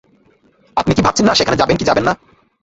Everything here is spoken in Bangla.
আপনি কি ভাবছেন না সেখানে যাবেন কি যাবেন না?